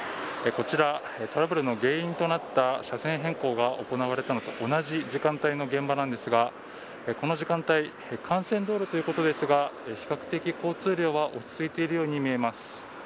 こちら、トラブルの原因となった車線変更が行われたのと同じ時間帯の現場なんですがこの時間帯幹線道路ということですが比較的交通量は落ち着いているように見えます。